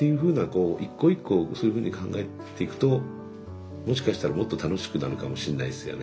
こう一個一個そういうふうに考えていくともしかしたらもっと楽しくなるかもしれないですよね。